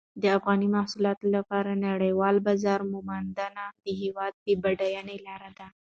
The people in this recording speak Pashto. د افغاني محصولاتو لپاره نړیوال بازار موندنه د هېواد د بډاینې لاره ده.